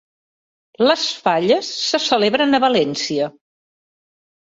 Les falles se celebren a València.